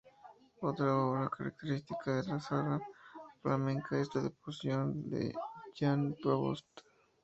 Otra obra característica de la sala flamenca es la "deposición" de Jan Provost.